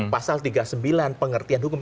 pasal tiga puluh sembilan pengertian hukum